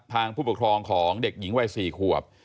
ผู้ปกครองของเด็กหญิงวัย๔ขวบ